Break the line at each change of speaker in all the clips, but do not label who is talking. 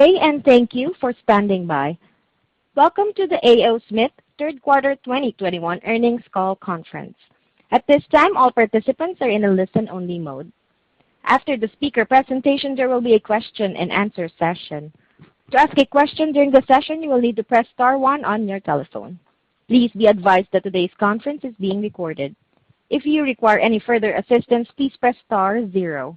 Good day, thank you for standing by. Welcome to the A. O. Smith third quarter 2021 earnings call conference. At this time, all participants are in a listen-only mode. After the speaker presentation, there will be a question and answer session. To ask a question during the session, you will need to press star one on your telephone. Please be advised that today's conference is being recorded. If you require any further assistance, please press star zero.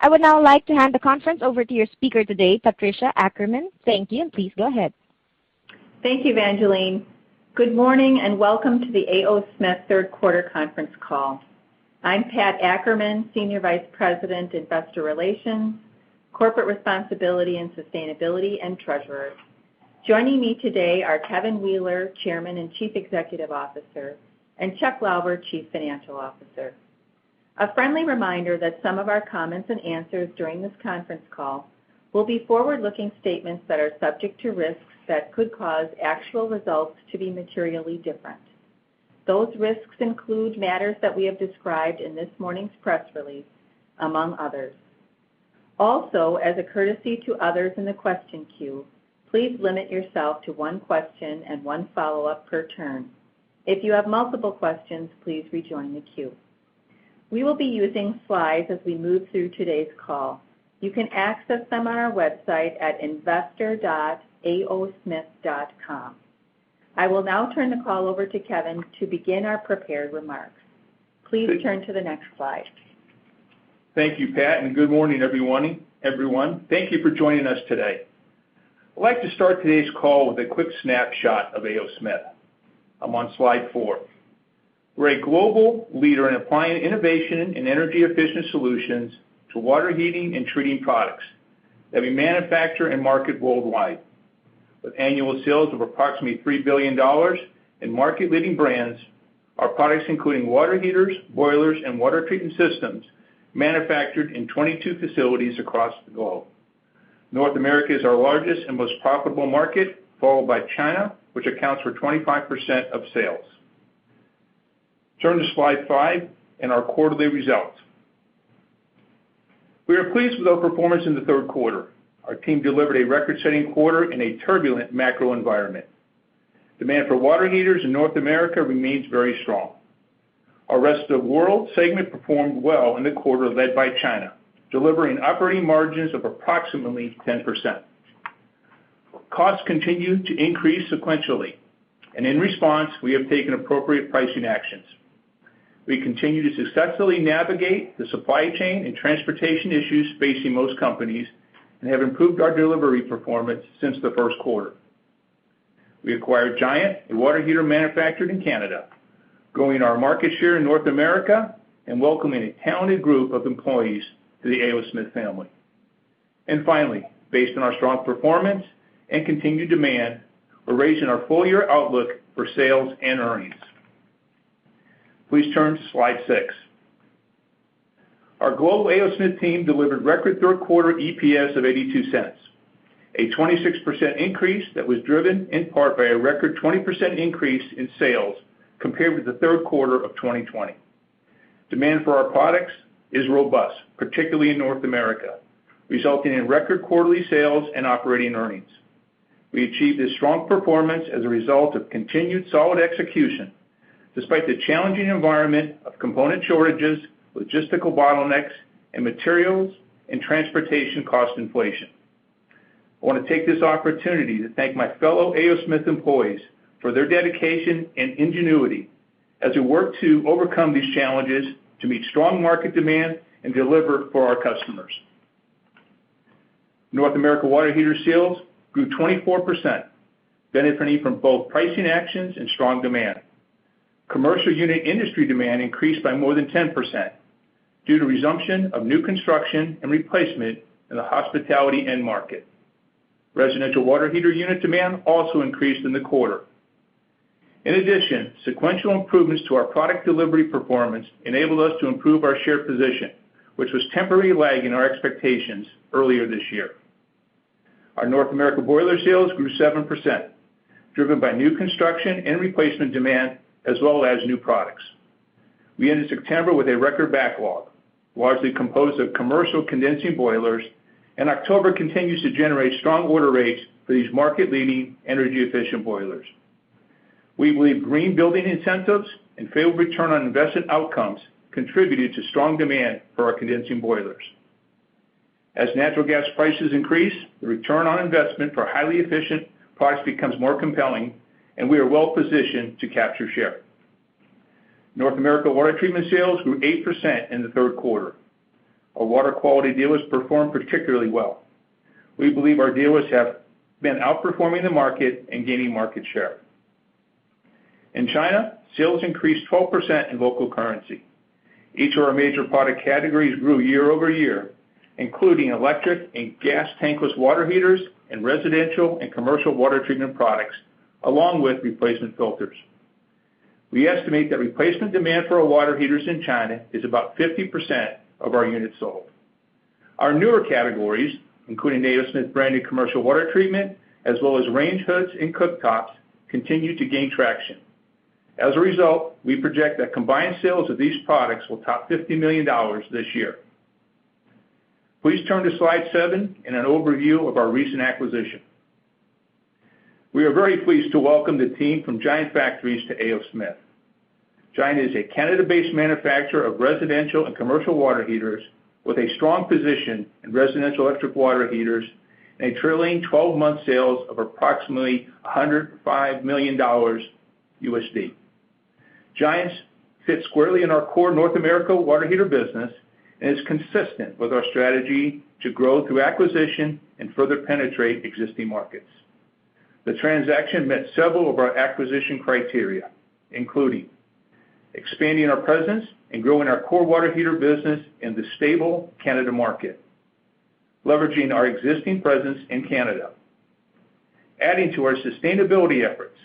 I would now like to hand the conference over to your speaker today, Patricia Ackerman. Thank you, and please go ahead.
Thank you, Evangeline. Good morning and welcome to the A. O. Smith third quarter conference call. I'm Pat Ackerman, Senior Vice President, Investor Relations, Corporate Responsibility and Sustainability, and Treasurer. Joining me today are Kevin Wheeler, Chairman and Chief Executive Officer, and Chuck Lauber, Chief Financial Officer. A friendly reminder that some of our comments and answers during this conference call will be forward-looking statements that are subject to risks that could cause actual results to be materially different. Those risks include matters that we have described in this morning's press release, among others. Also, as a courtesy to others in the question queue, please limit yourself to one question and one follow-up per turn. If you have multiple questions, please rejoin the queue. We will be using slides as we move through today's call. You can access them on our website at investor.aosmith.com. I will now turn the call over to Kevin to begin our prepared remarks. Please turn to the next slide.
Thank you, Pat, and good morning, everyone. Thank you for joining us today. I'd like to start today's call with a quick snapshot of A. O. Smith. I'm on slide four. We're a global leader in applying innovation in energy-efficient solutions to water heating and treating products that we manufacture and market worldwide. With annual sales of approximately $3 billion in market-leading brands, our products including water heaters, boilers, and water treatment systems manufactured in 22 facilities across the globe. North America is our largest and most profitable market, followed by China, which accounts for 25% of sales. Turn to slide five in our quarterly results. We are pleased with our performance in the third quarter. Our team delivered a record-setting quarter in a turbulent macro environment. Demand for water heaters in North America remains very strong. Our Rest of World segment performed well in the quarter led by China, delivering operating margins of approximately 10%. Costs continued to increase sequentially, and in response, we have taken appropriate pricing actions. We continue to successfully navigate the supply chain and transportation issues facing most companies and have improved our delivery performance since the first quarter. We acquired Giant Factories, a water heater manufacturer in Canada, growing our market share in North America and welcoming a talented group of employees to the A. O. Smith family. Finally, based on our strong performance and continued demand, we're raising our full-year outlook for sales and earnings. Please turn to slide six. Our global A. O. Smith team delivered record third quarter EPS of $0.82, a 26% increase that was driven in part by a record 20% increase in sales compared with the third quarter of 2020. Demand for our products is robust, particularly in North America, resulting in record quarterly sales and operating earnings. We achieved this strong performance as a result of continued solid execution despite the challenging environment of component shortages, logistical bottlenecks, and materials and transportation cost inflation. I wanna take this opportunity to thank my fellow A. O. Smith employees for their dedication and ingenuity as we work to overcome these challenges to meet strong market demand and deliver for our customers. North America water heater sales grew 24%, benefiting from both pricing actions and strong demand. Commercial unit industry demand increased by more than 10% due to resumption of new construction and replacement in the hospitality end market. Residential water heater unit demand also increased in the quarter. In addition, sequential improvements to our product delivery performance enabled us to improve our share position, which was temporarily lagging our expectations earlier this year. Our North America boiler sales grew 7%, driven by new construction and replacement demand as well as new products. We ended September with a record backlog, largely composed of commercial condensing boilers, and October continues to generate strong order rates for these market-leading energy-efficient boilers. We believe green building incentives and favorable return on investment outcomes contributed to strong demand for our condensing boilers. As natural gas prices increase, the return on investment for highly efficient products becomes more compelling, and we are well-positioned to capture share. North America water treatment sales grew 8% in the third quarter. Our water quality dealers performed particularly well. We believe our dealers have been outperforming the market and gaining market share. In China, sales increased 12% in local currency. Each of our major product categories grew year over year, including electric and gas tankless water heaters and residential and commercial water treatment products, along with replacement filters. We estimate that replacement demand for our water heaters in China is about 50% of our units sold. Our newer categories, including A. O. Smith branded commercial water treatment as well as range hoods and cooktops, continue to gain traction. As a result, we project that combined sales of these products will top $50 million this year. Please turn to slide seven in an overview of our recent acquisition. We are very pleased to welcome the team from Giant Factories to A. O. Smith. Giant is a Canada-based manufacturer of residential and commercial water heaters with a strong position in residential electric water heaters and a trailing twelve-month sales of approximately $105 million. Giant's fit squarely in our core North American water heater business and is consistent with our strategy to grow through acquisition and further penetrate existing markets. The transaction met several of our acquisition criteria, including expanding our presence and growing our core water heater business in the stable Canadian market, leveraging our existing presence in Canada, adding to our sustainability efforts,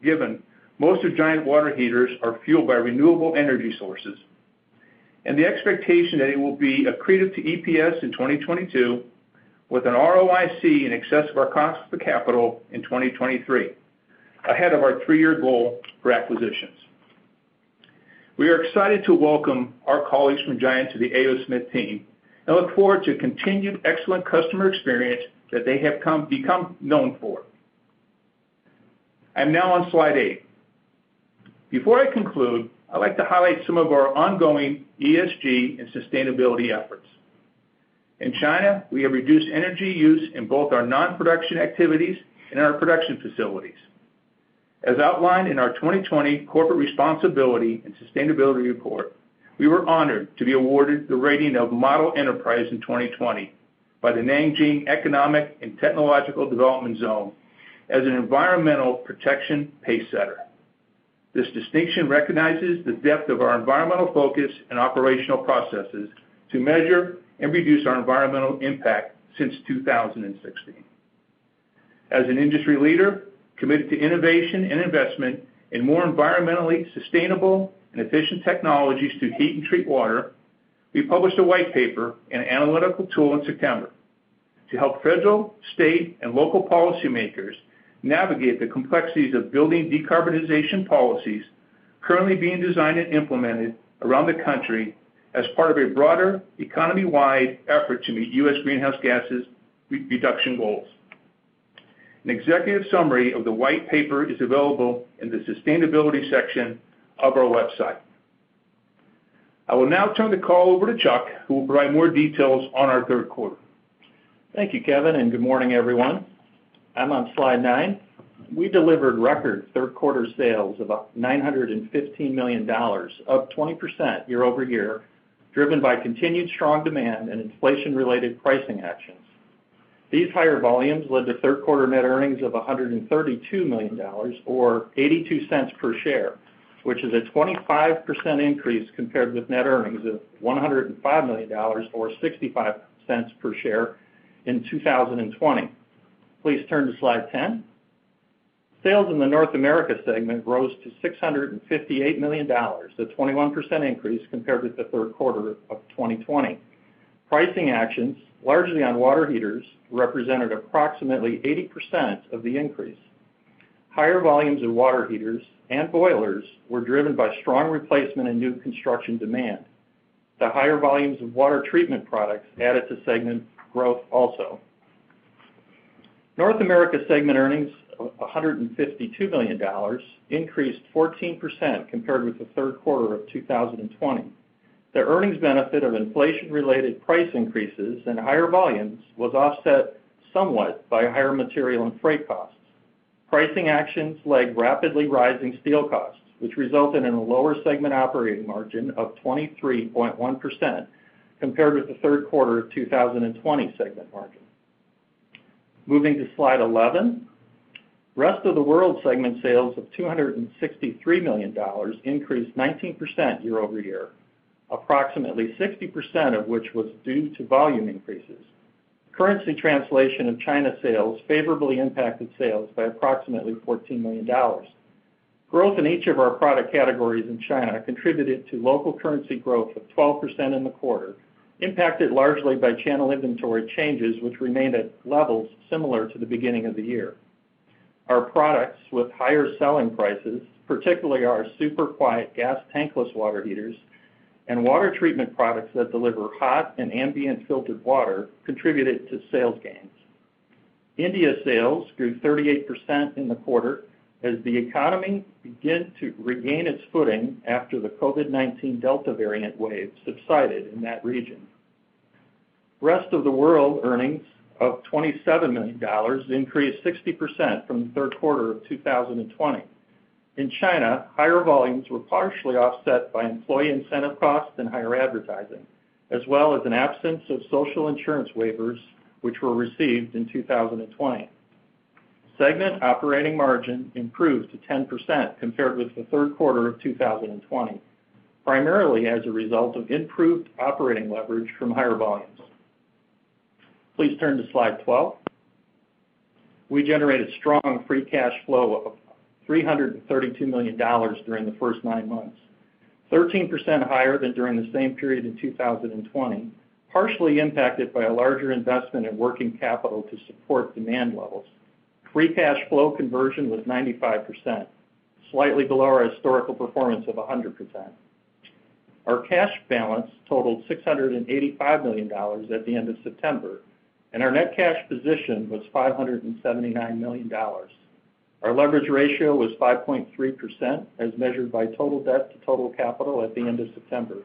given most of Giant's water heaters are fueled by renewable energy sources, and the expectation that it will be accretive to EPS in 2022 with an ROIC in excess of our cost of capital in 2023, ahead of our three-year goal for acquisitions. We are excited to welcome our colleagues from Giant to the A. O. Smith team and look forward to continued excellent customer experience that they have become known for. I'm now on slide eight. Before I conclude, I'd like to highlight some of our ongoing ESG and sustainability efforts. In China, we have reduced energy use in both our non-production activities and in our production facilities. As outlined in our 2020 Corporate Responsibility and Sustainability Report, we were honored to be awarded the rating of Model Enterprise in 2020 by the Nanjing Economic and Technological Development Zone as an environmental protection pacesetter. This distinction recognizes the depth of our environmental focus and operational processes to measure and reduce our environmental impact since 2016. As an industry leader committed to innovation and investment in more environmentally sustainable and efficient technologies to heat and treat water, we published a white paper and analytical tool in September to help federal, state, and local policymakers navigate the complexities of building decarbonization policies currently being designed and implemented around the country as part of a broader economy-wide effort to meet U.S. greenhouse gas reduction goals. An executive summary of the white paper is available in the Sustainability section of our website. I will now turn the call over to Chuck, who will provide more details on our third quarter.
Thank you, Kevin, and good morning, everyone. I'm on slide nine. We delivered record third-quarter sales of about $915 million, up 20% year over year, driven by continued strong demand and inflation-related pricing actions. These higher volumes led to third-quarter net earnings of $132 million or $0.82 per share, which is a 25% increase compared with net earnings of $105 million or $0.65 per share in 2020. Please turn to slide ten. Sales in the North America segment rose to $658 million, a 21% increase compared with the third quarter of 2020. Pricing actions, largely on water heaters, represented approximately 80% of the increase. Higher volumes in water heaters and boilers were driven by strong replacement and new construction demand. The higher volumes of water treatment products added to segment growth also. North America segment earnings of $152 million increased 14% compared with the third quarter of 2020. The earnings benefit of inflation-related price increases and higher volumes was offset somewhat by higher material and freight costs. Pricing actions lagged rapidly rising steel costs, which resulted in a lower segment operating margin of 23.1% compared with the third quarter of 2020 segment margin. Moving to slide 11. Rest of the World segment sales of $263 million increased 19% year-over-year, approximately 60% of which was due to volume increases. Currency translation of China sales favorably impacted sales by approximately $14 million. Growth in each of our product categories in China contributed to local currency growth of 12% in the quarter, impacted largely by channel inventory changes which remained at levels similar to the beginning of the year. Our products with higher selling prices, particularly our super quiet gas tankless water heaters and water treatment products that deliver hot and ambient filtered water, contributed to sales gains. India sales grew 38% in the quarter as the economy began to regain its footing after the COVID-19 Delta variant wave subsided in that region. Rest of the World earnings of $27 million increased 60% from the third quarter of 2020. In China, higher volumes were partially offset by employee incentive costs and higher advertising, as well as an absence of social insurance waivers which were received in 2020. Segment operating margin improved to 10% compared with the third quarter of 2020, primarily as a result of improved operating leverage from higher volumes. Please turn to slide 12. We generated strong free cash flow of $332 million during the first nine months. Thirteen percent higher than during the same period in 2020, partially impacted by a larger investment in working capital to support demand levels. Free cash flow conversion was 95%, slightly below our historical performance of 100%. Our cash balance totaled $685 million at the end of September, and our net cash position was $579 million. Our leverage ratio was 5.3% as measured by total debt to total capital at the end of September.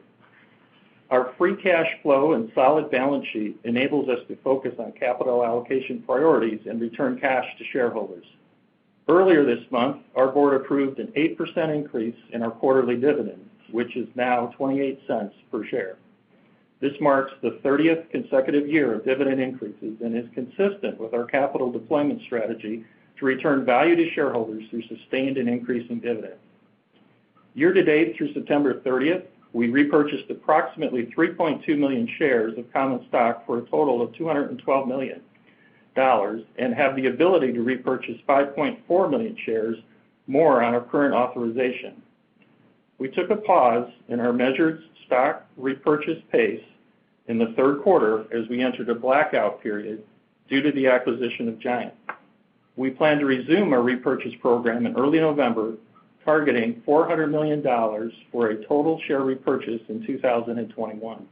Our free cash flow and solid balance sheet enables us to focus on capital allocation priorities and return cash to shareholders. Earlier this month, our board approved an 8% increase in our quarterly dividend, which is now $0.28 per share. This marks the 30th consecutive year of dividend increases and is consistent with our capital deployment strategy to return value to shareholders through sustained and increasing dividends. Year-to-date through September 30th, we repurchased approximately 3.2 million shares of common stock for a total of $212 million and have the ability to repurchase 5.4 million shares more on our current authorization. We took a pause in our measured stock repurchase pace in the third quarter as we entered a blackout period due to the acquisition of Giant. We plan to resume our repurchase program in early November, targeting $400 million for a total share repurchase in 2021.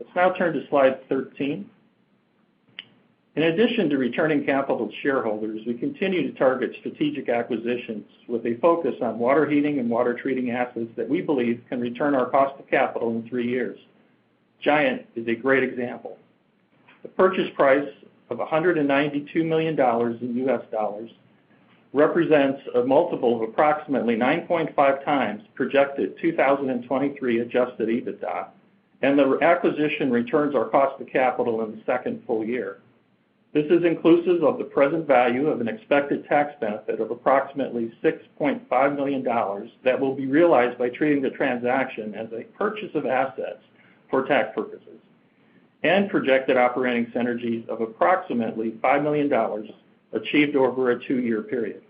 Let's now turn to slide 13. In addition to returning capital to shareholders, we continue to target strategic acquisitions with a focus on water heating and water treating assets that we believe can return our cost of capital in three years. Giant is a great example. The purchase price of $192 million in US dollars represents a multiple of approximately 9.5x projected 2023 adjusted EBITDA, and the acquisition returns our cost of capital in the second full year. This is inclusive of the present value of an expected tax benefit of approximately $6.5 million that will be realized by treating the transaction as a purchase of assets for tax purposes, and projected operating synergies of approximately $5 million achieved over a two-year period.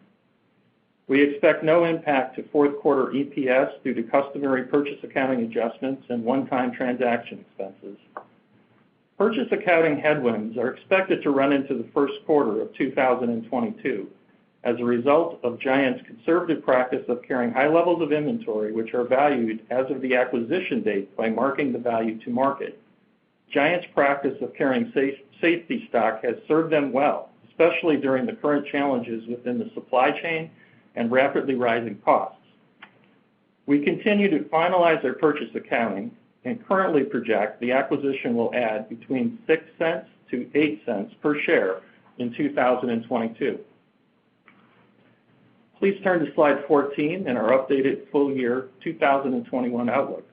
We expect no impact to fourth quarter EPS due to customary purchase accounting adjustments and one-time transaction expenses. Purchase accounting headwinds are expected to run into the first quarter of 2022 as a result of Giant's conservative practice of carrying high levels of inventory, which are valued as of the acquisition date by marking the value to market. Giant's practice of carrying safety stock has served them well, especially during the current challenges within the supply chain and rapidly rising costs. We continue to finalize their purchase accounting and currently project the acquisition will add $0.06-$0.08 per share in 2022. Please turn to slide 14 and our updated full-year 2021 outlook.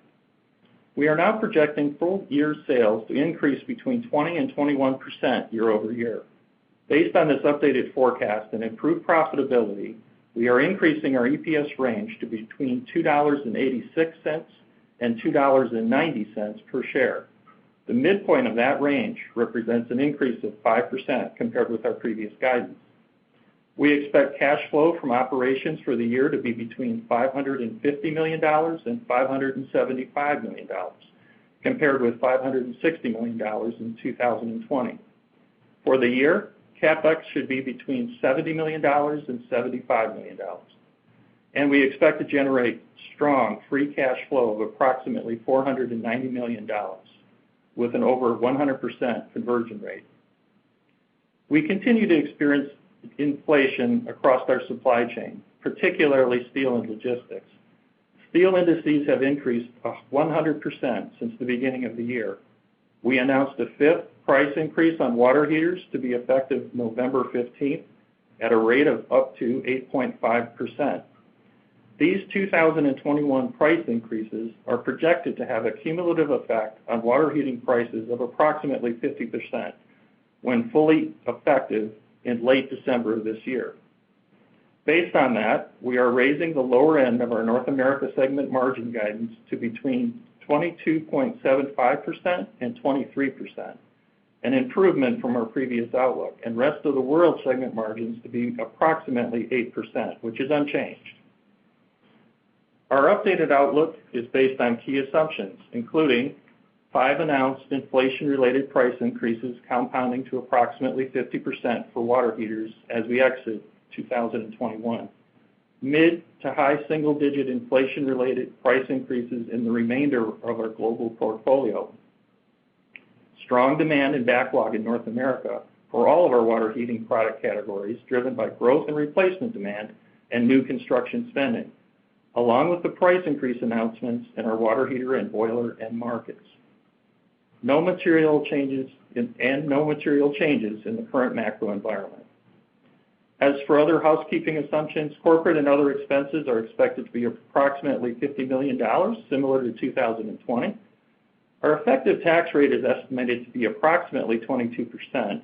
We are now projecting full-year sales to increase 20%-21% year-over-year. Based on this updated forecast and improved profitability, we are increasing our EPS range to $2.86-$2.90 per share. The midpoint of that range represents an increase of 5% compared with our previous guidance. We expect cash flow from operations for the year to be $550 million-$575 million, compared with $560 million in 2020. For the year, CapEx should be between $70 million and $75 million, and we expect to generate strong free cash flow of approximately $490 million with an over 100% conversion rate. We continue to experience inflation across our supply chain, particularly steel and logistics. Steel indices have increased 100% since the beginning of the year. We announced a fifth price increase on water heaters to be effective November 15 at a rate of up to 8.5%. These 2021 price increases are projected to have a cumulative effect on water heating prices of approximately 50% when fully effective in late December of this year. Based on that, we are raising the lower end of our North America segment margin guidance to between 22.75% and 23%, an improvement from our previous outlook, and Rest of World segment margins to be approximately 8%, which is unchanged. Our updated outlook is based on key assumptions, including five announced inflation-related price increases compounding to approximately 50% for water heaters as we exit 2021. Mid- to high-single-digit inflation-related price increases in the remainder of our global portfolio. Strong demand and backlog in North America for all of our water heating product categories driven by growth in replacement demand and new construction spending, along with the price increase announcements in our water heater and boiler end markets. No material changes in the current macro environment. As for other housekeeping assumptions, corporate and other expenses are expected to be approximately $50 million, similar to 2020. Our effective tax rate is estimated to be approximately 22%.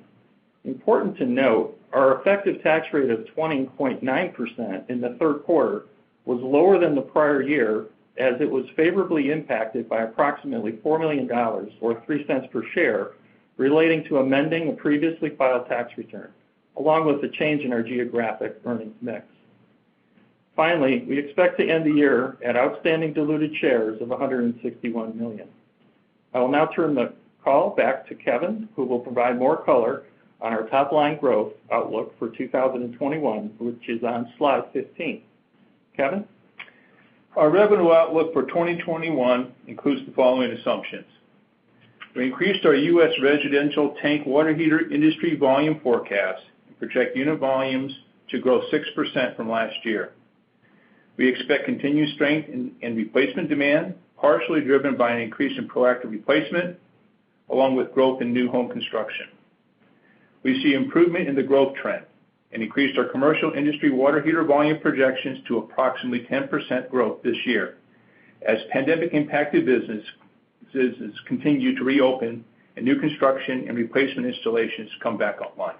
Important to note, our effective tax rate of 20.9% in the third quarter was lower than the prior year as it was favorably impacted by approximately $4 million or $0.03 per share relating to amending a previously filed tax return, along with the change in our geographic earnings mix. Finally, we expect to end the year at outstanding diluted shares of $161 million. I will now turn the call back to Kevin, who will provide more color on our top-line growth outlook for 2021, which is on slide 15. Kevin?
Our revenue outlook for 2021 includes the following assumptions. We increased our U.S. residential tank water heater industry volume forecast to project unit volumes to grow 6% from last year. We expect continued strength in replacement demand, partially driven by an increase in proactive replacement, along with growth in new home construction. We see improvement in the growth trend and increased our commercial industry water heater volume projections to approximately 10% growth this year as pandemic-impacted businesses continue to reopen and new construction and replacement installations come back online.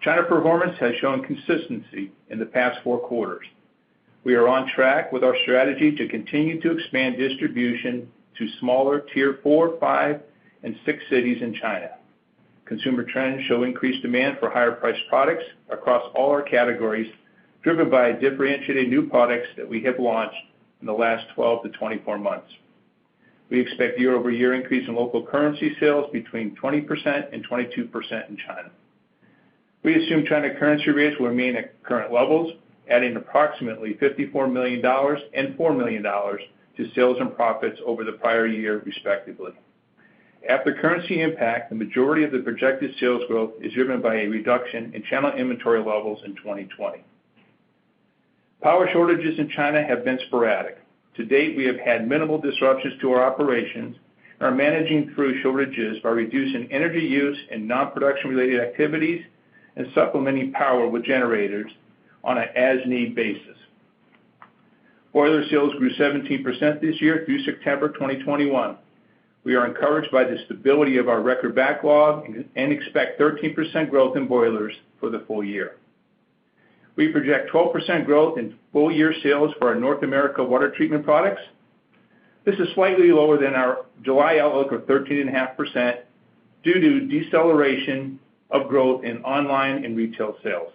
China performance has shown consistency in the past four quarters. We are on track with our strategy to continue to expand distribution to smaller tier 4, 5, and 6 cities in China. Consumer trends show increased demand for higher priced products across all our categories, driven by differentiated new products that we have launched in the last 12-24 months. We expect year-over-year increase in local currency sales between 20% and 22% in China. We assume China currency rates will remain at current levels, adding approximately $54 million and $4 million to sales and profits over the prior year, respectively. After currency impact, the majority of the projected sales growth is driven by a reduction in channel inventory levels in 2020. Power shortages in China have been sporadic. To date, we have had minimal disruptions to our operations and are managing through shortages by reducing energy use and non-production related activities and supplementing power with generators on an as-needed basis. Boiler sales grew 17% this year through September 2021. We are encouraged by the stability of our record backlog and expect 13% growth in boilers for the full year. We project 12% growth in full year sales for our North America water treatment products. This is slightly lower than our July outlook of 13.5% due to deceleration of growth in online and retail sales.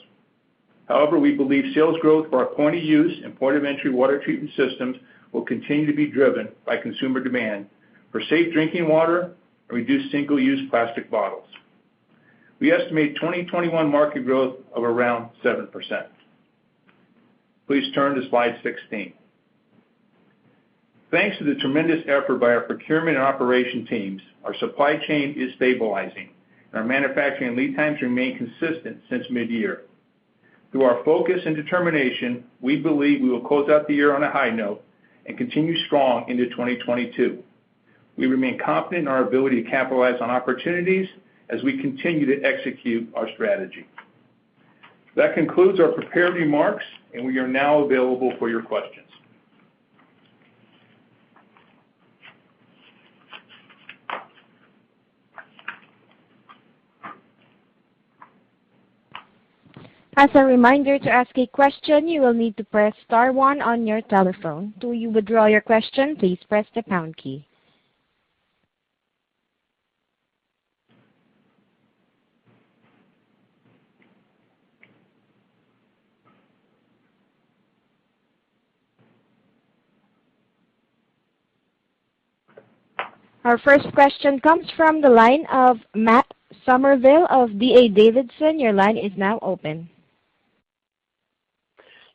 However, we believe sales growth for our point of use and point of entry water treatment systems will continue to be driven by consumer demand for safe drinking water and reduce single-use plastic bottles. We estimate 2021 market growth of around 7%. Please turn to slide 16. Thanks to the tremendous effort by our procurement and operation teams, our supply chain is stabilizing, and our manufacturing lead times remain consistent since midyear. Through our focus and determination, we believe we will close out the year on a high note and continue strong into 2022. We remain confident in our ability to capitalize on opportunities as we continue to execute our strategy. That concludes our prepared remarks, and we are now available for your questions.
As a reminder, to ask a question, you will need to press star one on your telephone. To withdraw your question, please press the pound key. Our first question comes from the line of Matt Summerville of D.A. Davidson. Your line is now open.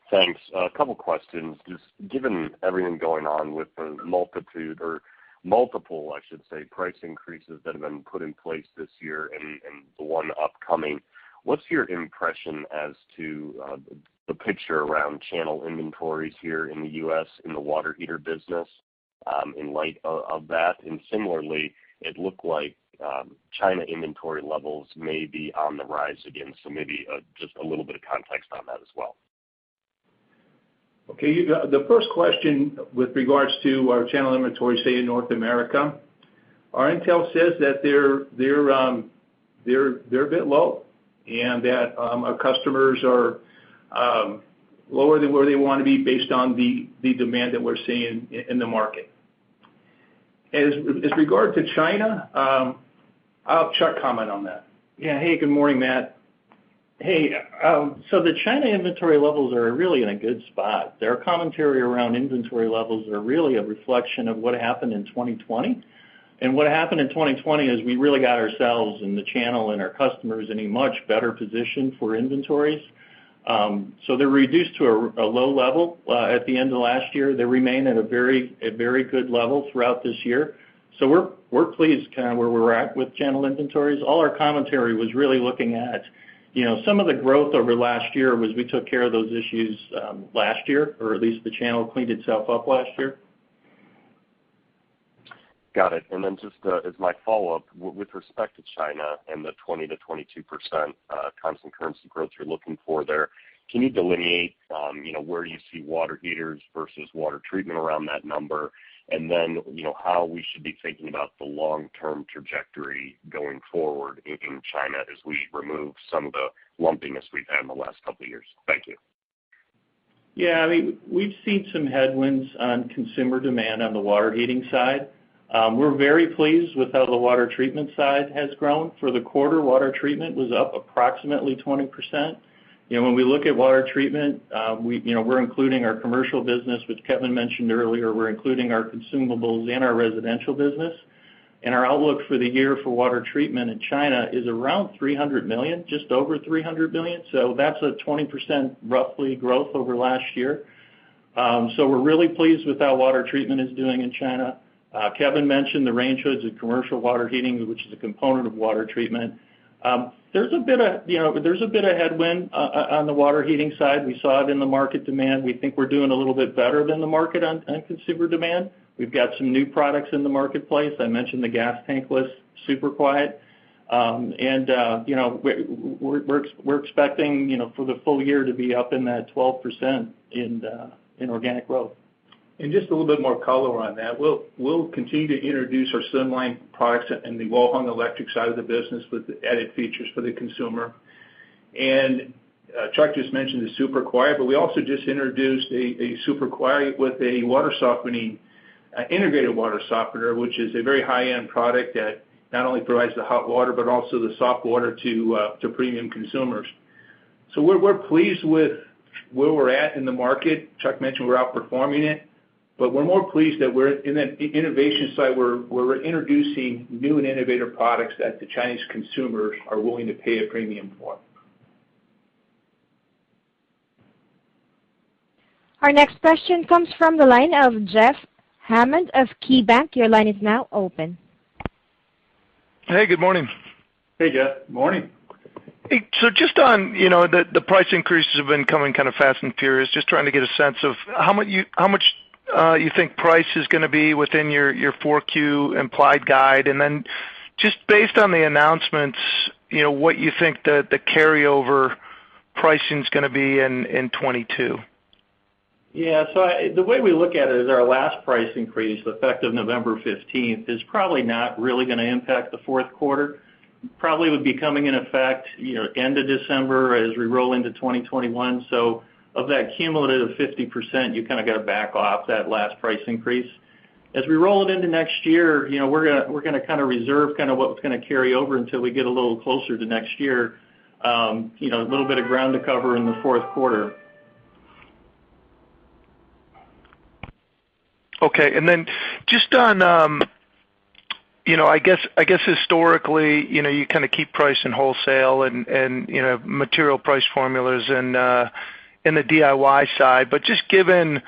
Thanks. A couple questions. Just given everything going on with the multitude or multiple, I should say, price increases that have been put in place this year and the one upcoming, what's your impression as to the picture around channel inventories here in the U.S. in the water heater business, in light of that? Similarly, it looked like China inventory levels may be on the rise again. Maybe just a little bit of context on that as well.
Okay. The first question with regards to our channel inventory, say, in North America, our intel says that they're a bit low, and that our customers are lower than where they wanna be based on the demand that we're seeing in the market. As regards to China, I'll have Chuck comment on that.
Yeah. Hey, good morning, Matt. Hey, so the China inventory levels are really in a good spot. Their commentary around inventory levels are really a reflection of what happened in 2020. What happened in 2020 is we really got ourselves and the channel and our customers in a much better position for inventories. They're reduced to a low level at the end of last year. They remain at a very good level throughout this year. We're pleased kinda where we're at with channel inventories. All our commentary was really looking at, you know, some of the growth over last year was that we took care of those issues last year, or at least the channel cleaned itself up last year.
Got it. Just as my follow-up, with respect to China and the 20%-22% constant currency growth you're looking for there, can you delineate, you know, where you see water heaters versus water treatment around that number? And then, you know, how we should be thinking about the long-term trajectory going forward in China as we remove some of the lumpiness we've had in the last couple of years? Thank you.
Yeah, I mean, we've seen some headwinds on consumer demand on the water heating side. We're very pleased with how the water treatment side has grown. For the quarter, water treatment was up approximately 20%. You know, when we look at water treatment, we, you know, we're including our commercial business, which Kevin mentioned earlier. We're including our consumables and our residential business. Our outlook for the year for water treatment in China is around $300 million, just over $300 million. So that's a 20%, roughly, growth over last year. So we're really pleased with how water treatment is doing in China. Kevin mentioned the range hoods and commercial water heating, which is a component of water treatment. There's a bit of, you know, there's a bit of headwind on the water heating side. We saw it in the market demand. We think we're doing a little bit better than the market on consumer demand. We've got some new products in the marketplace. I mentioned the gas tankless, super quiet. You know, we're expecting, you know, for the full year to be up in that 12% in organic growth.
Just a little bit more color on that. We'll continue to introduce our Sunline products in the wall-hung electric side of the business with the added features for the consumer. Chuck just mentioned the super quiet, but we also just introduced a super quiet with a water softening, integrated water softener, which is a very high-end product that not only provides the hot water, but also the soft water to to premium consumers. We're pleased with where we're at in the market. Chuck mentioned we're outperforming it. We're more plea sed that we're in that innovation side, where we're introducing new and innovative products that the Chinese consumers are willing to pay a premium for.
Our next question comes from the line of Jeff Hammond of KeyBanc. Your line is now open.
Hey, good morning.
Hey, Jeff. Morning.
Hey. Just on, you know, the price increases have been coming kind of fast and furious. Just trying to get a sense of how much you think price is gonna be within your Q4 implied guide. Just based on the announcements, you know, what you think the carryover pricing is gonna be in 2022.
Yeah. The way we look at it is our last price increase, effective November fifteenth, is probably not really gonna impact the fourth quarter. Probably would be coming in effect, you know, end of December as we roll into 2021. Of that cumulative 50%, you kind of got to back off that last price increase. As we roll it into next year, you know, we're gonna kind of reserve kind of what was gonna carry over until we get a little closer to next year. You know, a little bit of ground to cover in the fourth quarter.
Okay. Just on, you know, I guess historically, you know, you kind of keep price in wholesale and, you know, material price formulas in the DIY side. But just given,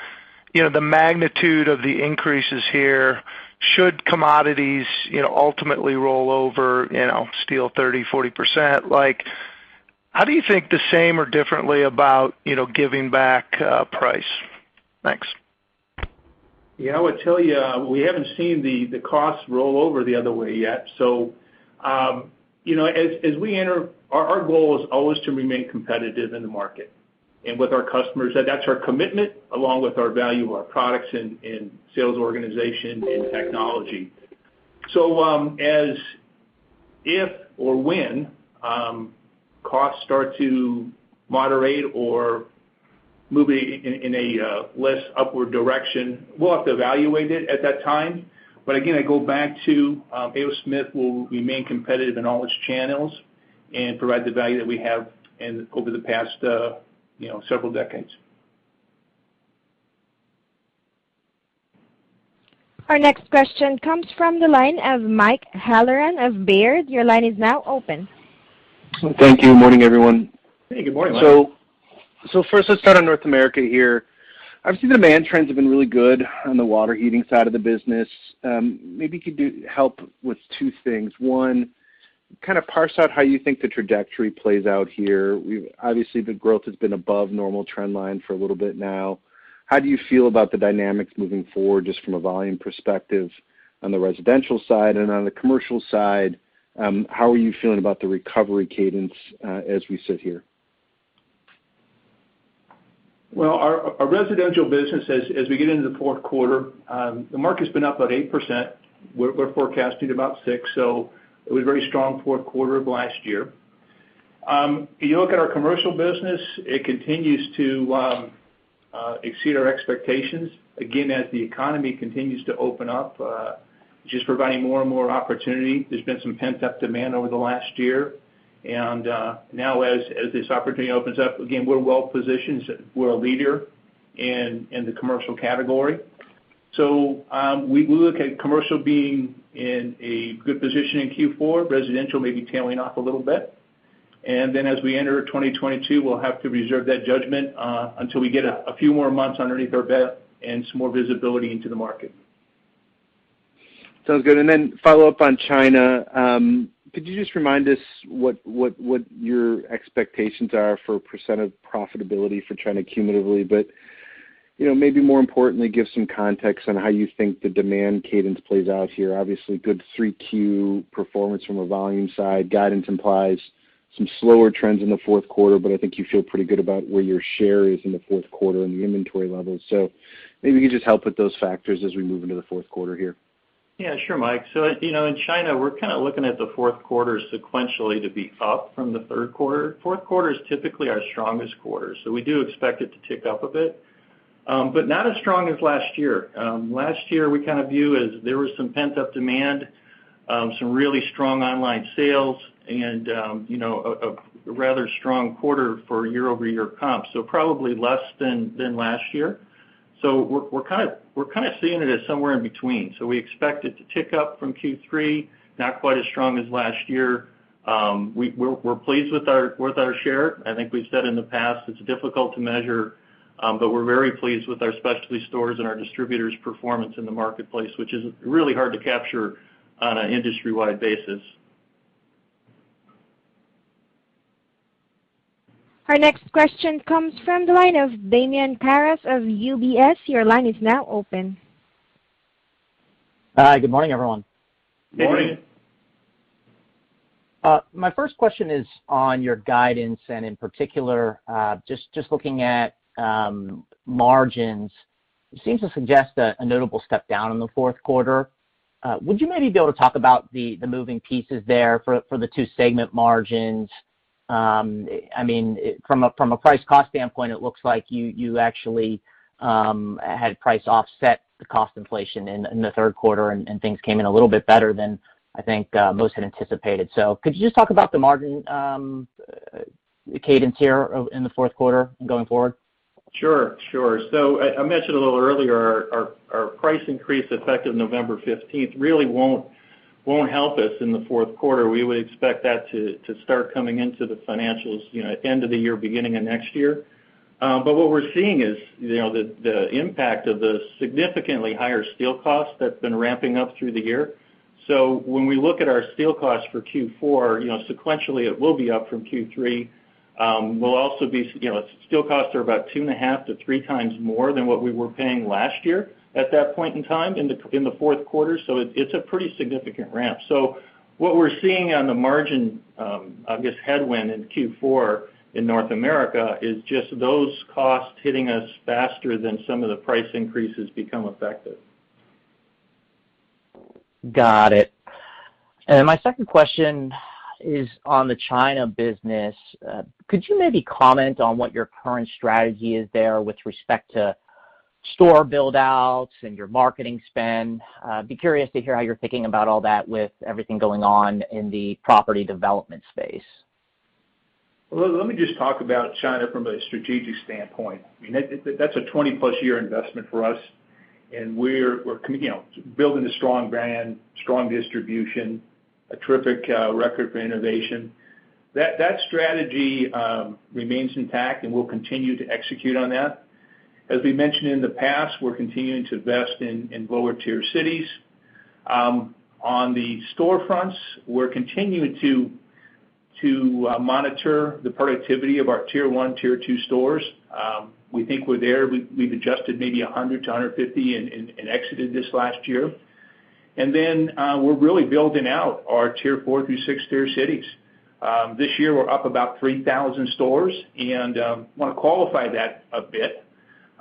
you know, the magnitude of the increases here, should commodities, you know, ultimately roll over, you know, steel 30%-40%, like, how do you think the same or differently about, you know, giving back price? Thanks.
Yeah, I would tell you, we haven't seen the costs roll over the other way yet. Our goal is always to remain competitive in the market and with our customers. That's our commitment along with our value of our products and sales organization and technology. As if or when costs start to moderate or move in a less upward direction, we'll have to evaluate it at that time. Again, I go back to, A. O. Smith will remain competitive in all its channels and provide the value that we have over the past several decades.
Our next question comes from the line of Mike Halloran of Baird. Your line is now open.
Thank you. Good morning, everyone.
Hey, good morning, Mike.
First let's start on North America here. Obviously, the demand trends have been really good on the water heating side of the business. Maybe you could help with two things. One, kind of parse out how you think the trajectory plays out here. Obviously, the growth has been above normal trend line for a little bit now. How do you feel about the dynamics moving forward, just from a volume perspective on the residential side? On the commercial side, how are you feeling about the recovery cadence, as we sit here?
Well, our residential business, as we get into the fourth quarter, the market's been up about 8%. We're forecasting about 6%, so it was a very strong fourth quarter of last year. If you look at our commercial business, it continues to exceed our expectations. Again, as the economy continues to open up, just providing more and more opportunity. There's been some pent-up demand over the last year. Now as this opportunity opens up, again, we're well positioned. We're a leader in the commercial category. We look at commercial being in a good position in Q4, residential may be tailing off a little bit. As we enter 2022, we'll have to reserve that judgment until we get a few more months underneath our belt and some more visibility into the market.
Sounds good. Then follow up on China. Could you just remind us what your expectations are for percent of profitability for China cumulatively? You know, maybe more importantly, give some context on how you think the demand cadence plays out here. Obviously, good 3Q performance from a volume side. Guidance implies some slower trends in the fourth quarter, but I think you feel pretty good about where your share is in the fourth quarter and the inventory levels. Maybe you could just help with those factors as we move into the fourth quarter here.
Yeah. Sure, Mike. You know, in China, we're kind of looking at the fourth quarter sequentially to be up from the third quarter. Fourth quarter is typically our strongest quarter, so we do expect it to tick up a bit. Not as strong as last year. Last year, we kind of view as there was some pent-up demand, some really strong online sales and, you know, a rather strong quarter for year-over-year comp, so probably less than last year. We're kind of seeing it as somewhere in between. We expect it to tick up from Q3, not quite as strong as last year. We're pleased with our share. I think we've said in the past, it's difficult to measure, but we're very pleased with our specialty stores and our distributors' performance in the marketplace, which is really hard to capture on an industry-wide basis.
Our next question comes from the line of Damian Karas of UBS. Your line is now open.
Hi. Good morning, everyone.
Good morning.
My first question is on your guidance, and in particular, just looking at margins. It seems to suggest a notable step down in the fourth quarter. Would you maybe be able to talk about the moving pieces there for the two segment margins? I mean, from a price cost standpoint, it looks like you actually had price offset the cost inflation in the third quarter, and things came in a little bit better than I think most had anticipated. Could you just talk about the margin cadence here in the fourth quarter and going forward?
Sure. I mentioned a little earlier our price increase effective November 15th really won't help us in the fourth quarter. We would expect that to start coming into the financials, you know, end of the year, beginning of next year. But what we're seeing is, you know, the impact of the significantly higher steel costs that's been ramping up through the year. When we look at our steel costs for Q4, you know, sequentially, it will be up from Q3. Steel costs are about 2.5x-3x times more than what we were paying last year at that point in time in the fourth quarter. It's a pretty significant ramp. What we're seeing on the margin, I guess, headwind in Q4 in North America is just those costs hitting us faster than some of the price increases become effective.
Got it. My second question is on the China business. Could you maybe comment on what your current strategy is there with respect to store build-outs and your marketing spend? I'd be curious to hear how you're thinking about all that with everything going on in the property development space.
Well, let me just talk about China from a strategic standpoint. I mean, that's a 20+ year investment for us, and we're you know, building a strong brand, strong distribution, a terrific record for innovation. That strategy remains intact, and we'll continue to execute on that. As we mentioned in the past, we're continuing to invest in lower-tier cities. On the storefronts, we're continuing to monitor the productivity of our tier 1, tier 2 stores. We think we're there. We've adjusted maybe 100-150 and exited this last year. We're really building out our tier 4 through 6 tier cities. This year, we're up about 3,000 stores and wanna qualify that a bit.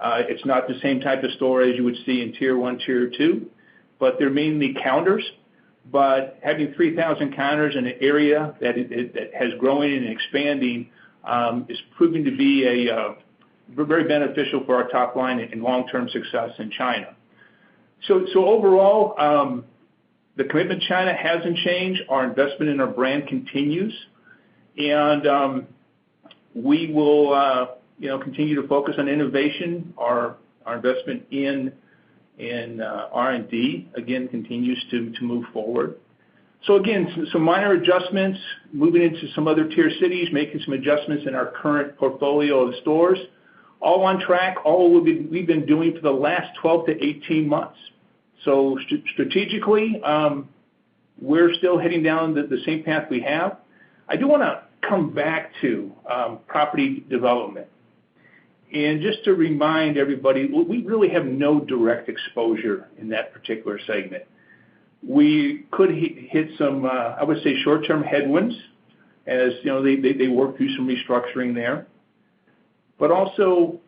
It's not the same type of store as you would see in tier 1, tier 2, but they're mainly counters. Having 3,000 counters in an area that is growing and expanding is proving to be very beneficial for our top line and long-term success in China. Overall, the commitment to China hasn't changed. Our investment in our brand continues, and we will, you know, continue to focus on innovation. Our investment in R&D, again, continues to move forward. Again, some minor adjustments, moving into some other tier cities, making some adjustments in our current portfolio of stores, all on track, all we've been doing for the last 12-18 months. Strategically, we're still heading down the same path we have. I do wanna come back to property development. Just to remind everybody, we really have no direct exposure in that particular segment. We could hit some short-term headwinds as you know, they work through some restructuring there. Also,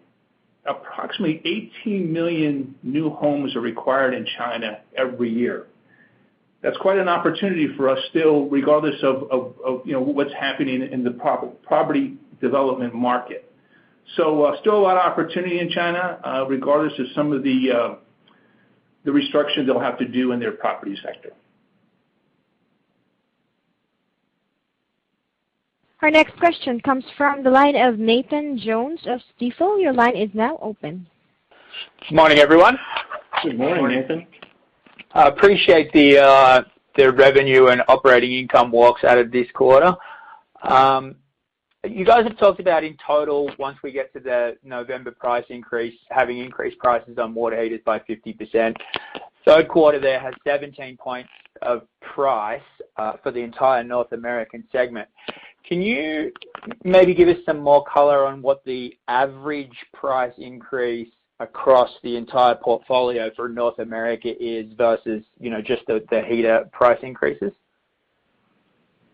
approximately 18 million new homes are required in China every year. That's quite an opportunity for us still, regardless of, you know, what's happening in the property development market. Still a lot of opportunity in China, regardless of some of the restructuring they'll have to do in their property sector.
Our next question comes from the line of Nathan Jones of Stifel. Your line is now open.
Good morning, everyone.
Good morning. Good morning, Nathan.
I appreciate the revenue and operating income walks out of this quarter. You guys have talked about in total, once we get to the November price increase, having increased prices on water heaters by 50%. Third quarter there has 17 points of price for the entire North American segment. Can you maybe give us some more color on what the average price increase across the entire portfolio for North America is versus, you know, just the heater price increases?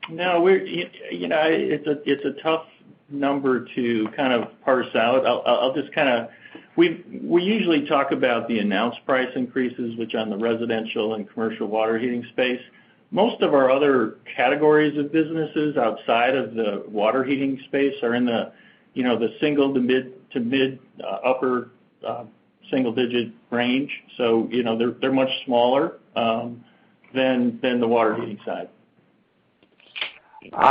No, you know, it's a tough number to kind of parse out. I'll just kinda. We usually talk about the announced price increases, which are on the residential and commercial water heating space. Most of our other categories of businesses outside of the water heating space are in the, you know, the single to mid- to upper single digit range. So, you know, they're much smaller than the water heating side.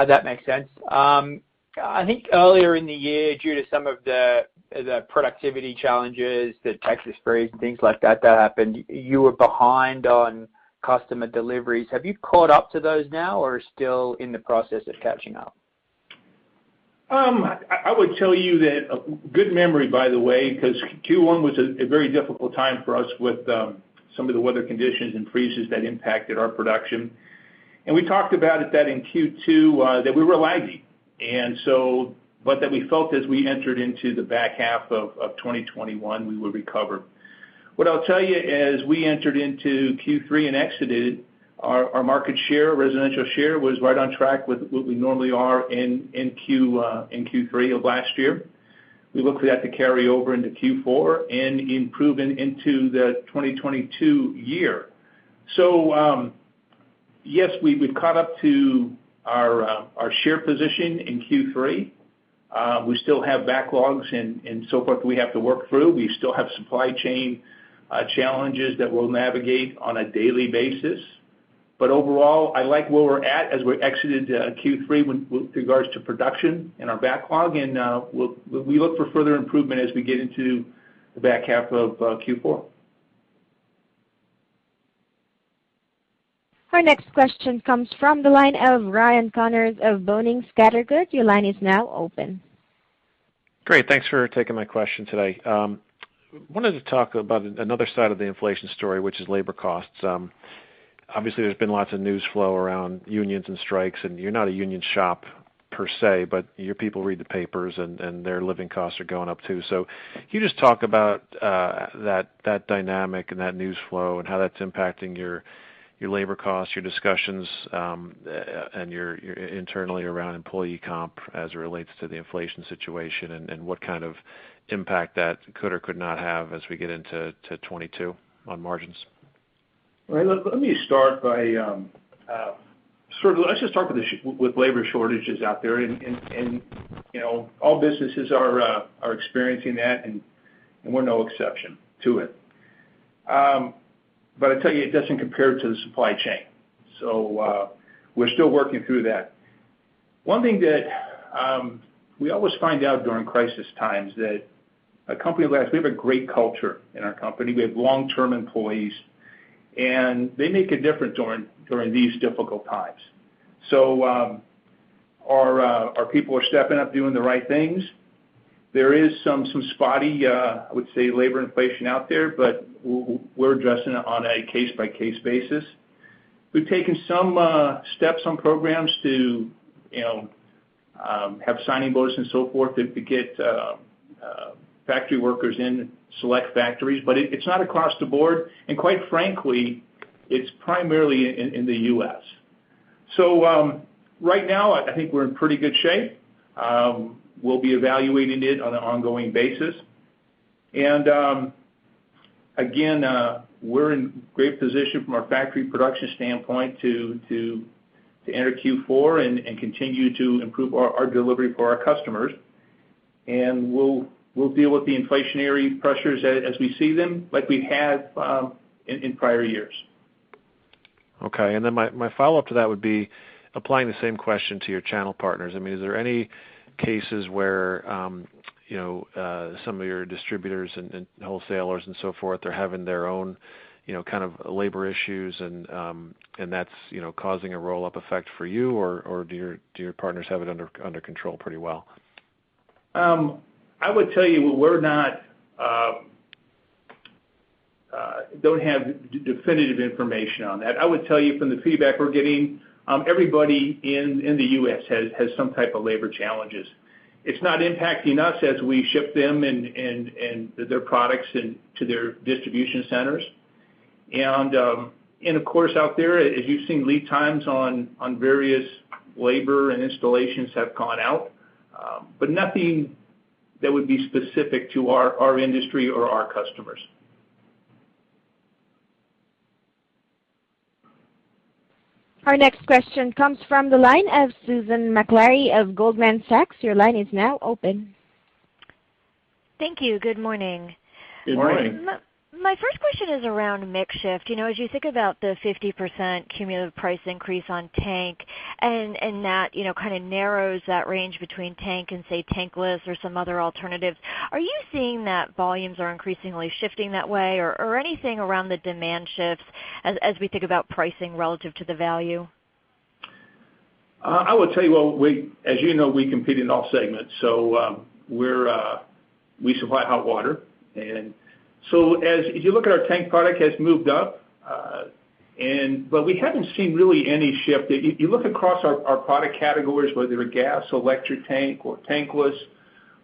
That makes sense. I think earlier in the year, due to some of the productivity challenges, the Texas freeze and things like that happened, you were behind on customer deliveries. Have you caught up to those now, or still in the process of catching up?
I would tell you that good memory, by the way, 'cause Q1 was a very difficult time for us with some of the weather conditions and freezes that impacted our production. We talked about it in Q2 that we were lagging. We felt as we entered into the back half of 2021, we would recover. What I'll tell you as we entered into Q3 and exited, our market share, residential share, was right on track with what we normally are in Q3 of last year. We look for that to carry over into Q4 and improving into the 2022 year. Yes, we've caught up to our share position in Q3. We still have backlogs and so forth we have to work through. We still have supply chain challenges that we'll navigate on a daily basis. But overall, I like where we're at as we exited Q3 with regards to production and our backlog. We look for further improvement as we get into the back half of Q4.
Our next question comes from the line of Ryan Connors of Boenning & Scattergood. Your line is now open.
Great. Thanks for taking my question today. Wanted to talk about another side of the inflation story, which is labor costs. Obviously there's been lots of news flow around unions and strikes, and you're not a union shop per se, but your people read the papers and their living costs are going up too. So can you just talk about that dynamic and that news flow and how that's impacting your labor costs, your discussions and your internally around employee comp as it relates to the inflation situation, and what kind of impact that could or could not have as we get into 2022 on margins?
Right. Let me start by sort of let's just start with labor shortages out there. You know, all businesses are experiencing that, and we're no exception to it. I tell you, it doesn't compare to the supply chain. We're still working through that. One thing that we always find out during crisis times that a company like us, we have a great culture in our company. We have long-term employees, and they make a difference during these difficult times. Our people are stepping up doing the right things. There is some spotty, I would say, labor inflation out there, but we're addressing it on a case by case basis. We've taken some steps on programs to, you know, have signing bonus and so forth to get factory workers in select factories, but it's not across the board. Quite frankly, it's primarily in the U.S. Right now I think we're in pretty good shape. We'll be evaluating it on an ongoing basis. Again, we're in great position from our factory production standpoint to enter Q4 and continue to improve our delivery for our customers. We'll deal with the inflationary pressures as we see them like we have in prior years.
Okay. My follow-up to that would be applying the same question to your channel partners. I mean, is there any cases where you know some of your distributors and wholesalers and so forth are having their own you know kind of labor issues and that's you know causing a roll-up effect for you? Or do your partners have it under control pretty well?
I would tell you we don't have definitive information on that. I would tell you from the feedback we're getting, everybody in the U.S. has some type of labor challenges. It's not impacting us as we ship them and their products in to their distribution centers. Of course out there, as you've seen, lead times on various labor and installations have gone out. Nothing that would be specific to our industry or our customers.
Our next question comes from the line of Susan Maklari of Goldman Sachs. Your line is now open.
Thank you. Good morning.
Good morning.
My first question is around mix shift. You know, as you think about the 50% cumulative price increase on tank and that, you know, kind of narrows that range between tank and say, tankless or some other alternatives, are you seeing that volumes are increasingly shifting that way or anything around the demand shifts as we think about pricing relative to the value?
I would tell you, as you know, we compete in all segments, so we supply hot water. As if you look at our tank product has moved up, but we haven't seen really any shift. If you look across our product categories, whether they're gas, electric tank or tankless,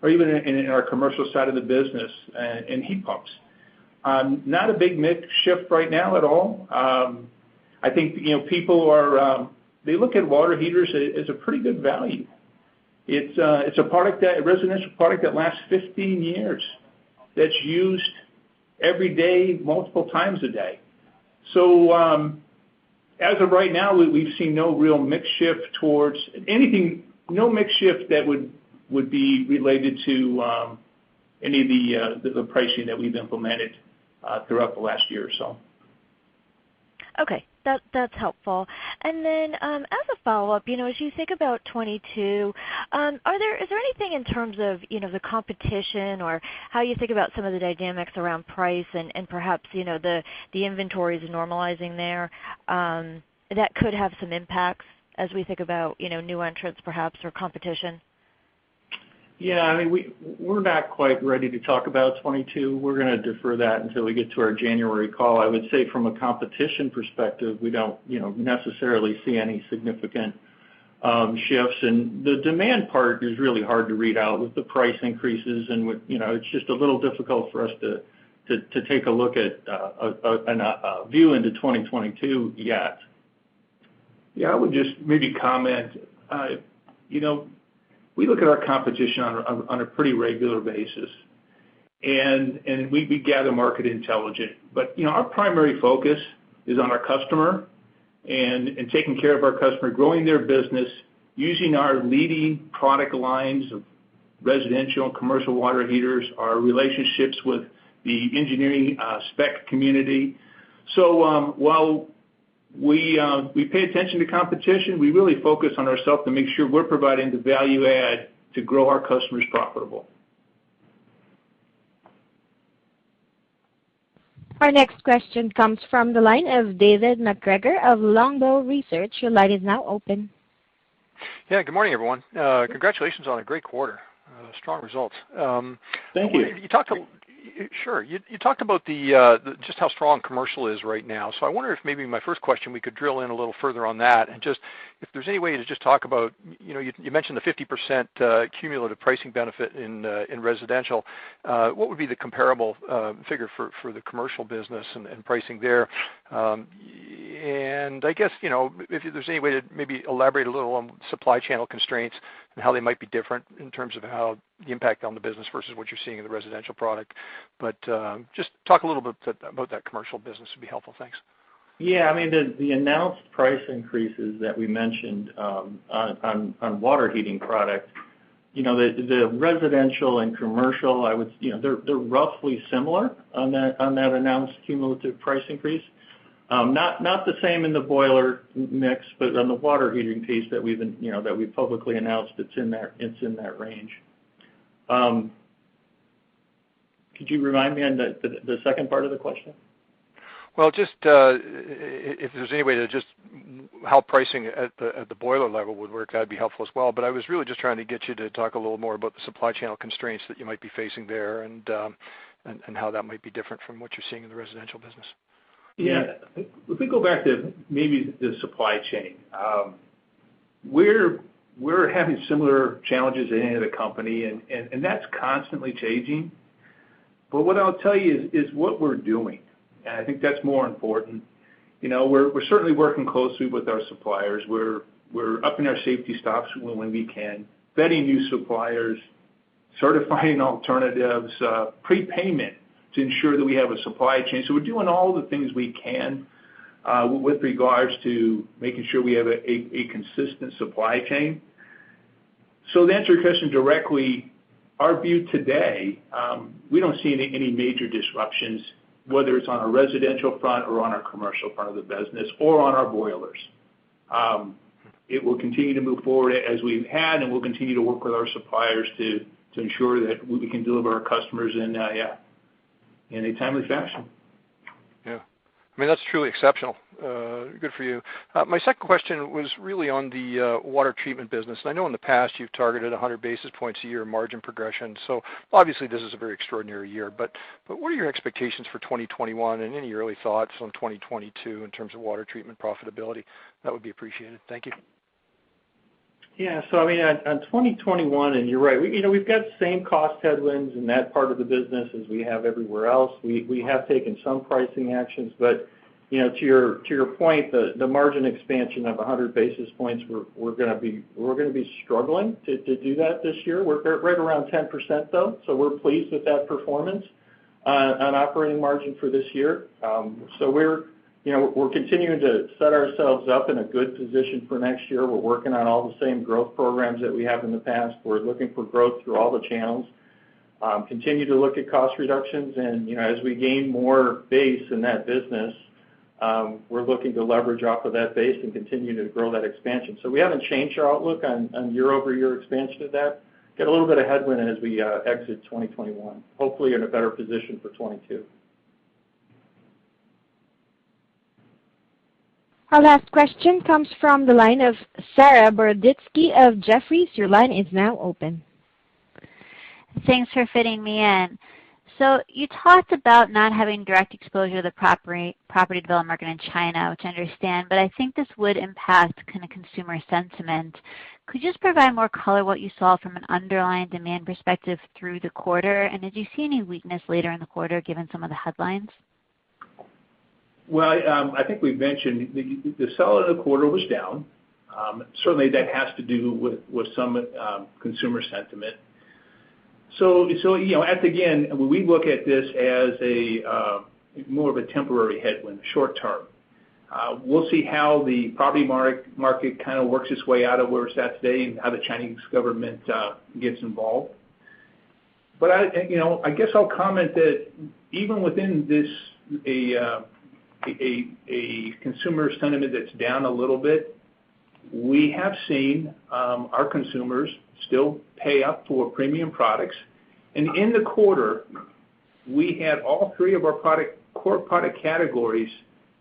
or even in our commercial side of the business, in heat pumps. Not a big mix shift right now at all. I think, you know, they look at water heaters as a pretty good value. It's a residential product that lasts 15 years, that's used every day, multiple times a day. As of right now, we've seen no real mix shift towards anything, no mix shift that would be related to any of the pricing that we've implemented throughout the last year or so.
Okay. That's helpful. As a follow-up, you know, as you think about 2022, is there anything in terms of, you know, the competition or how you think about some of the dynamics around price and, perhaps, you know, the inventories normalizing there, that could have some impacts as we think about, you know, new entrants perhaps or competition?
Yeah. I mean, we're not quite ready to talk about 2022. We're gonna defer that until we get to our January call. I would say from a competition perspective, we don't, you know, necessarily see any significant shifts. The demand part is really hard to read out with the price increases and with, you know, it's just a little difficult for us to take a look at a view into 2022 yet.
Yeah. I would just maybe comment. You know, we look at our competition on a pretty regular basis and we gather market intelligence. You know, our primary focus is on our customer and taking care of our customer, growing their business using our leading product lines of residential and commercial water heaters, our relationships with the engineering spec community. While we pay attention to competition, we really focus on ourself to make sure we're providing the value add to grow our customers profitable.
Our next question comes from the line of David MacGregor of Longbow Research. Your line is now open.
Yeah. Good morning, everyone. Congratulations on a great quarter. Strong results.
Thank you.
Sure. You talked about just how strong commercial is right now. I wonder if maybe my first question, we could drill in a little further on that. Just if there's any way to just talk about, you know, you mentioned the 50% cumulative pricing benefit in residential. What would be the comparable figure for the commercial business and pricing there? I guess, you know, if there's any way to maybe elaborate a little on supply channel constraints and how they might be different in terms of how they impact the business versus what you're seeing in the residential product. Just talk a little bit about that commercial business would be helpful. Thanks.
Yeah. I mean, the announced price increases that we mentioned on water heating product, you know, the residential and commercial, you know, they're roughly similar on that announced cumulative price increase. Not the same in the boiler mix, but on the water heating piece that we've publicly announced, it's in that range. Could you remind me on the second part of the question?
Well, just, if there's any way to just, how pricing at the boiler level would work, that'd be helpful as well. I was really just trying to get you to talk a little more about the supply chain constraints that you might be facing there and how that might be different from what you're seeing in the residential business.
Yeah. If we go back to maybe the supply chain, we're having similar challenges at any other company, and that's constantly changing. What I'll tell you is what we're doing, and I think that's more important. You know, we're certainly working closely with our suppliers. We're upping our safety stocks when we can, vetting new suppliers, certifying alternatives, prepayment to ensure that we have a supply chain. We're doing all the things we can with regards to making sure we have a consistent supply chain. To answer your question directly, our view today, we don't see any major disruptions, whether it's on our residential front or on our commercial part of the business or on our boilers. It will continue to move forward as we've had, and we'll continue to work with our suppliers to ensure that we can deliver to our customers in a timely fashion.
Yeah. I mean, that's truly exceptional. Good for you. My second question was really on the water treatment business. I know in the past you've targeted 100 basis points a year margin progression. Obviously this is a very extraordinary year. But what are your expectations for 2021 and any early thoughts on 2022 in terms of water treatment profitability? That would be appreciated. Thank you.
I mean, on 2021, and you're right, we, you know, we've got the same cost headwinds in that part of the business as we have everywhere else. We have taken some pricing actions. You know, to your point, the margin expansion of 100 basis points, we're gonna be struggling to do that this year. We're right around 10%, though. We're pleased with that performance on operating margin for this year. You know, we're continuing to set ourselves up in a good position for next year. We're working on all the same growth programs that we have in the past. We're looking for growth through all the channels. Continue to look at cost reductions. You know, as we gain more base in that business, we're looking to leverage off of that base and continue to grow that expansion. We haven't changed our outlook on year-over-year expansion of that. Get a little bit of headwind as we exit 2021, hopefully in a better position for 2022.
Our last question comes from the line of Saree Boroditsky of Jefferies. Your line is now open.
Thanks for fitting me in. You talked about not having direct exposure to the property development market in China, which I understand, but I think this would impact kind of consumer sentiment. Could you just provide more color on what you saw from an underlying demand perspective through the quarter? Did you see any weakness later in the quarter given some of the headlines?
Well, I think we've mentioned the sell in the quarter was down. Certainly that has to do with some consumer sentiment. You know, at the end, when we look at this as a more of a temporary headwind short term, we'll see how the property market kind of works its way out of where it's at today and how the Chinese government gets involved. I, you know, I guess I'll comment that even within this, a consumer sentiment that's down a little bit, we have seen our consumers still pay up for premium products. In the quarter, we had all three of our product, core product categories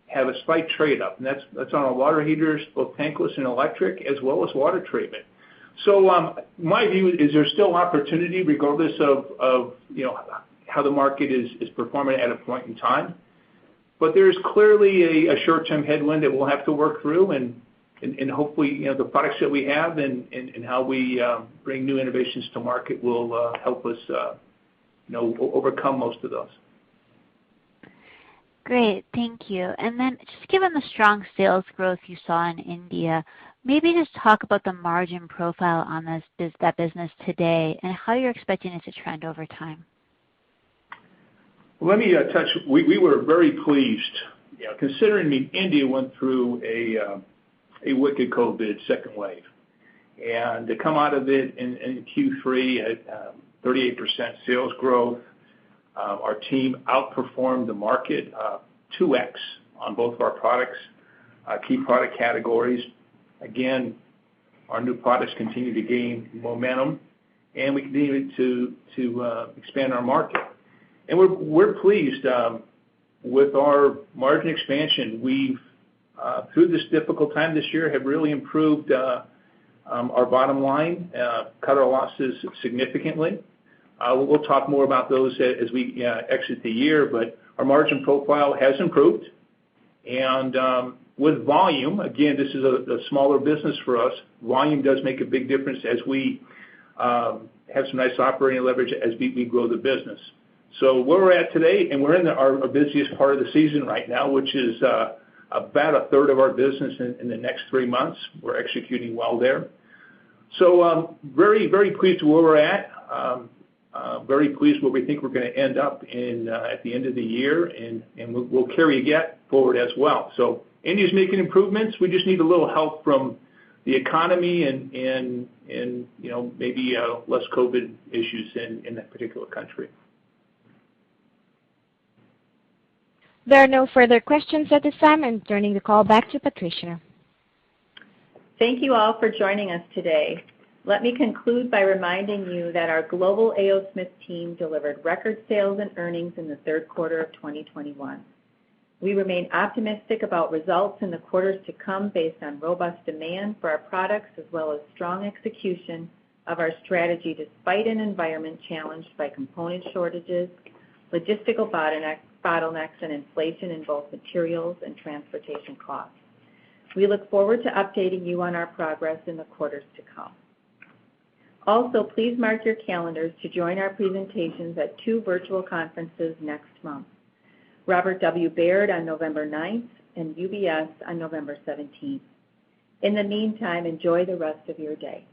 have a slight trade up, and that's on our water heaters, both tankless and electric, as well as water treatment. My view is there's still opportunity regardless of, you know, how the market is performing at a point in time, but there's clearly a short-term headwind that we'll have to work through and hopefully, you know, the products that we have and how we bring new innovations to market will help us, you know, overcome most of those.
Great. Thank you. Just given the strong sales growth you saw in India, maybe just talk about the margin profile on that business today, and how you're expecting it to trend over time?
We were very pleased. You know, considering that India went through a wicked COVID second wave, and to come out of it in Q3 at 38% sales growth, our team outperformed the market 2x on both of our key product categories. Again, our new products continue to gain momentum, and we continue to expand our market. We're pleased with our margin expansion. We've, through this difficult time this year, really improved our bottom line, cut our losses significantly. We'll talk more about those as we exit the year, but our margin profile has improved. With volume, again, this is a smaller business for us. Volume does make a big difference as we have some nice operating leverage as we grow the business. Where we're at today, we're in our busiest part of the season right now, which is about a third of our business in the next three months. We're executing well there. Very, very pleased with where we're at. Very pleased with where we think we're gonna end up at the end of the year, and we'll carry that forward as well. India's making improvements. We just need a little help from the economy and you know, maybe less COVID issues in that particular country.
There are no further questions at this time. I'm turning the call back to Patricia.
Thank you all for joining us today. Let me conclude by reminding you that our global A. O. Smith team delivered record sales and earnings in the third quarter of 2021. We remain optimistic about results in the quarters to come based on robust demand for our products, as well as strong execution of our strategy despite an environment challenged by component shortages, logistical bottlenecks and inflation in both materials and transportation costs. We look forward to updating you on our progress in the quarters to come. Also, please mark your calendars to join our presentations at two virtual conferences next month, Robert W. Baird on November 9th and UBS on November 17th. In the meantime, enjoy the rest of your day.